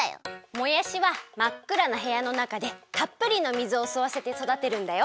もやしはまっくらなへやのなかでたっぷりの水をすわせて育てるんだよ！